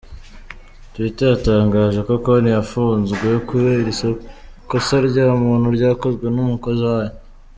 Twitter yatangaje ko konti yafunzwe kubera ‘ikosa rya muntu ryakozwe n’umukozi wayo.